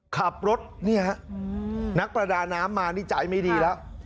ขับรถนักประดาน้ำมาจ่ายไม่ดีแล้ว